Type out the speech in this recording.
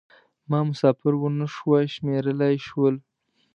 ما مسافر و نه شوای شمېرلای شول.